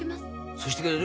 そうしてくれる？